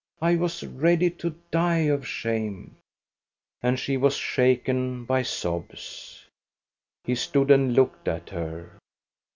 I was ready to die of shame !" And she was shaken by sobs. He stood and looked at her.